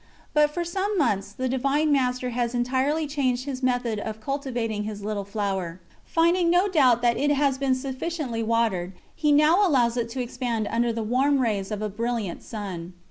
But for some months, the Divine Master has entirely changed His method of cultivating His Little Flower. Finding no doubt that it has been sufficiently watered, He now allows it to expand under the warm rays of a brilliant sun.